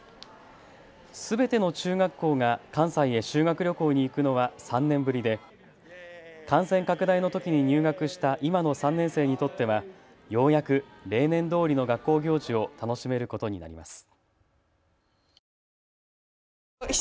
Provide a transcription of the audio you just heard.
すべての中学校が関西へ修学旅行に行くのは３年ぶりで感染拡大のときに入学した今の３年生にとってはようやく例年どおりの学校行事を楽しめることになります。